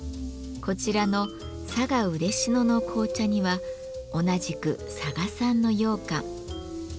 こちらの佐賀・嬉野の紅茶には同じく佐賀産のようかん。